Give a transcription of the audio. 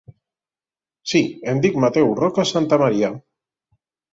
Sí, em dic Mateu Roca Santamaria.